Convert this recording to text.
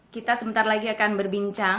kita sebentar lagi akan berbincang